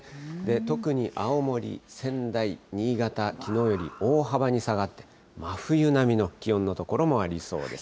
特に青森、仙台、新潟、きのうより大幅に下がって、真冬並みの気温の所もありそうです。